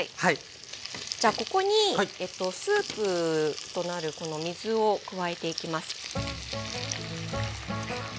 じゃあここにスープとなるこの水を加えていきます。